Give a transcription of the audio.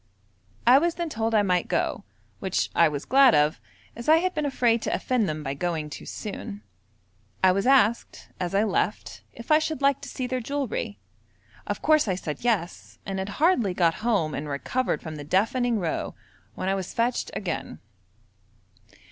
I was then told I might go, which I was glad of, as I had been afraid to offend them by going too soon. I was asked, as I left, if I should like to see their jewellery; of course I said 'Yes,' and had hardly got home and recovered from the deafening row, when I was fetched again.